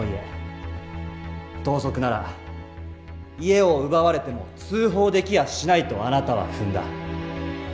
盗賊なら家を奪われても通報できやしないとあなたは踏んだ。